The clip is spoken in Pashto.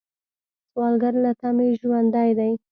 سوالګر له تمې ژوندی دی